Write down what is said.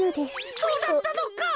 そうだったのか！